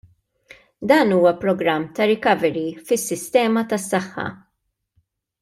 Dan huwa programm ta' recovery fis-sistema tas-saħħa.